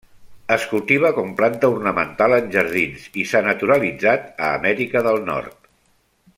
Es cultiva com planta ornamental en jardins i s'ha naturalitzat a Amèrica del Nord.